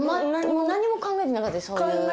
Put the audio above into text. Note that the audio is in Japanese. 何にも考えてなかったです。